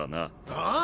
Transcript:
ああ？